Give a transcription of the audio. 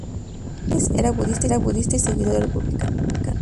Price era budista y seguidor del Partido Republicano.